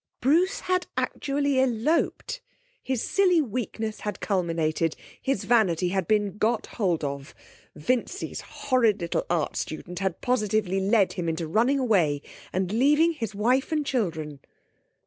Bruce had actually eloped! His silly weakness had culminated, his vanity had been got hold of. Vincy's horrid little art student had positively led him into running away, and leaving his wife and children.